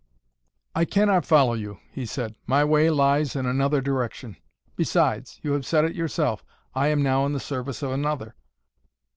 "I cannot follow you," he said. "My way lies in another direction. Besides you have said it yourself I am now in the service of another."